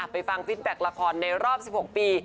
ฟังฟิตแบ็คละครในรอบ๑๖ปี